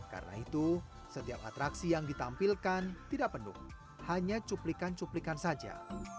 karena itu setiap atraksi yang ditampilkan tidak penuh hanya cuplikan cuplikan saja